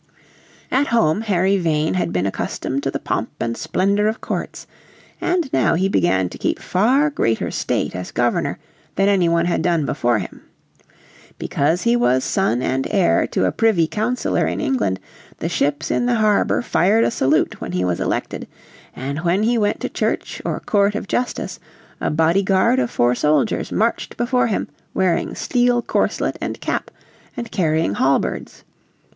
At home Harry Vane had been accustomed to the pomp and splendour of courts and now he began to keep far greater state as Governor than any one had done before him. Because he was son and heir to a Privy Councilor in England the ships in the harbour fired a salute when he was elected, and when he went to church or court of justice a bodyguard of four soldiers marched before him wearing steel corslet and cap, and carrying halberds.